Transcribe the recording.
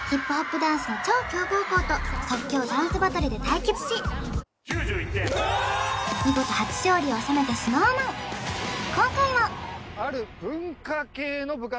ダンスの超強豪校と即興ダンスバトルで対決し９１点見事初勝利を収めたＳｎｏｗＭａｎ文化系？